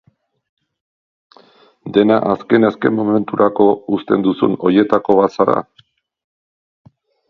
Dena azken-azken momenturako uzten duzun horietako bat zara?